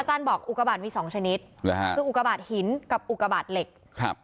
บอกอุกบาทมีสองชนิดหรือฮะคืออุกบาทหินกับอุกบาทเหล็กครับ